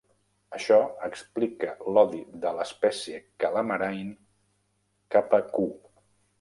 Això explica l'odi de l'espècie Calamarain cap a Q.